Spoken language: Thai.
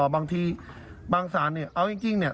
บางทีบางสารเนี่ยเอาจริงเนี่ย